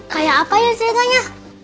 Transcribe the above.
kayak apa ya ceritanya